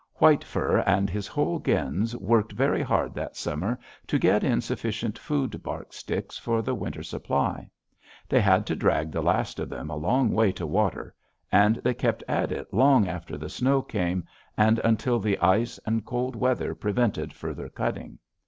"White Fur and his whole gens worked very hard that summer to get in sufficient food bark sticks for the winter supply. They had to drag the last of them a long way to water, and they kept at it long after the snow came, and until the ice and cold weather prevented further cutting.